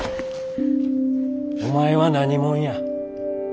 お前は何者や？